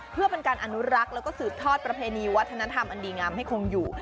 เพื่อเป็นการอนุรักษ์แล้วก็สืบทอดประเพณีวัฒนธรรมอันดีงามให้คงอยู่